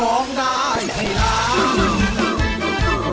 ร้องได้ให้ล้าน